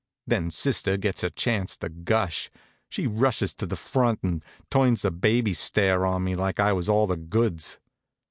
Then sister gets her chance to gush. She rushes to the front and turns the baby stare on me like I was all the goods.